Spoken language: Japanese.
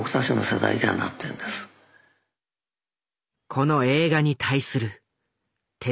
この映画に対する手